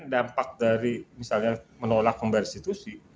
dampak dari misalnya menolak membayar restitusi